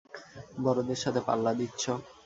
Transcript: বড়দের সাথে পাল্লা দিচ্ছ।